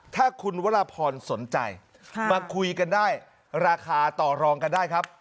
ถ้าคุณวรพรสนใจมาคุยกันได้ราคาต่อรองกันได้ครับ